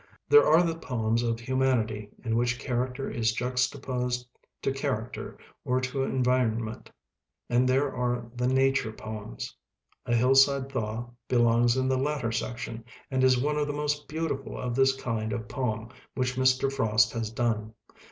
There are the poems of humanity, in which char acter is juxtaposed to character or to environment; and there are the na ture poems. "A Hillside Thaw" be longs in the latter section, and is one of the most beautiful of this kind of poem which Mr. Frost has done.